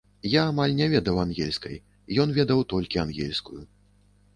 Я амаль не ведаў ангельскай, ён ведаў толькі ангельскую.